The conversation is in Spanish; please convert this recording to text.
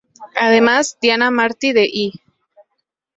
Además, Diana Marti de "E!